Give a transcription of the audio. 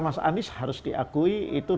mas anies harus diakui itu